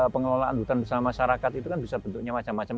pengelolaan hutan bersama masyarakat itu kan bisa bentuknya macam macam